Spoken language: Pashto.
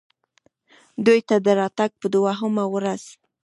دوبۍ ته د راتګ په دوهمه ورځ.